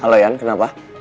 halo yan kenapa